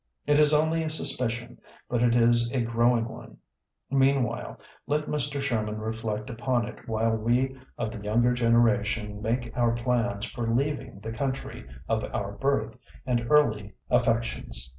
It is only a suspicion, but it is a growing one. Meanwhile let Mr. Sherman reflect upon it while we of the younger gen eration make our plans for leaving the country of our birth and early af fections.